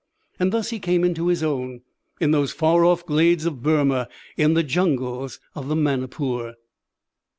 And thus he came into his own in those far off glades of Burma, in the jungles of the Manipur.